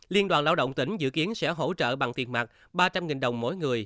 liên đoàn lao động tỉnh dự kiến sẽ hỗ trợ bằng tiền mặt ba trăm linh đồng mỗi người